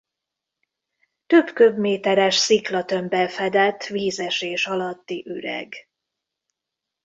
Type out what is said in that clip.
Többköbméteres sziklatömbbel fedett vízesés alatti üreg.